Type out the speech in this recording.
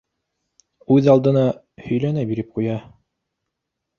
Үҙ алдына һөйләнә биреп ҡуя: